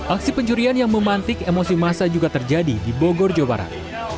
aksi pencurian yang memantik emosi masa juga terjadi di bogor jawa barat